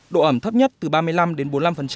độ ẩm thấp nhất từ ba mươi năm đến bốn mươi năm